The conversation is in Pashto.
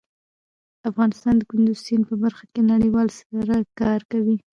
افغانستان د کندز سیند په برخه کې نړیوالو سره کار کوي.